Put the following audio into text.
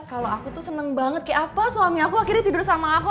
kalau aku tuh seneng banget kayak apa suami aku akhirnya tidur sama aku